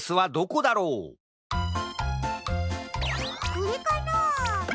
これかな？